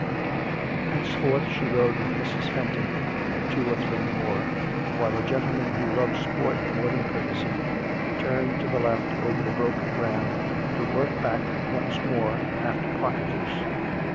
Henceforth she rode with Mrs. Fen ton and two or three more, while the gentlemen who loved sport more than courtesy, turned to the left over the broken ground to work back once more after partridges.